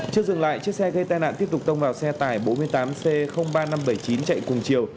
chưa dừng lại chiếc xe gây tai nạn tiếp tục tông vào xe tải bốn mươi tám c ba nghìn năm trăm bảy mươi chín chạy cùng chiều